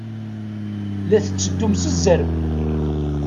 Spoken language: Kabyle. La tetteddum s zzerb.